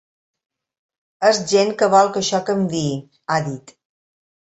És gent que vol que això canviï, ha dit.